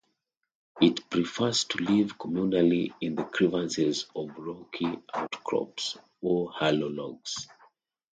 It prefers to live communally in the crevices of rocky outcrops or hollow logs.